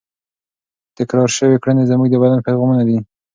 تکرار شوې کړنې زموږ د بدن پیغامونه دي.